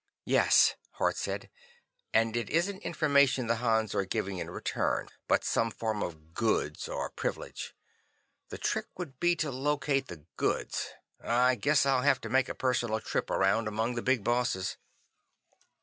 "Yes," Hart said, "and it isn't information the Hans are giving in return, but some form of goods, or privilege. The trick would be to locate the goods. I guess I'll have to make a personal trip around among the Big Bosses."